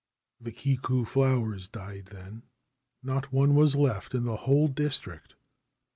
The Kiku flowers died then. Not one was left in the whole district.